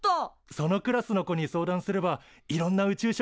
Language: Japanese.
そのクラスの子に相談すればいろんな宇宙食が作れるんじゃない？